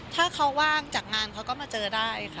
ถ้าเขาว่างจากงานเขาก็มาเจอได้ค่ะ